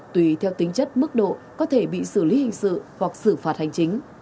tùy theo tính chất mức độ có thể bị xử lý hình sự hoặc xử phạt hành chính